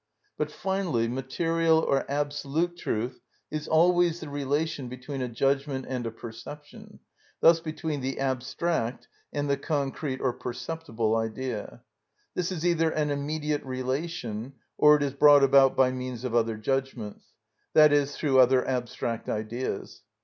But, finally, material or absolute truth is always the relation between a judgment and a perception, thus between the abstract and the concrete or perceptible idea. This is either an immediate relation or it is brought about by means of other judgments, i.e., through other abstract ideas.